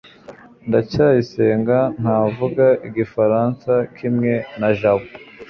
ndacyayisenga ntavuga igifaransa kimwe na jabo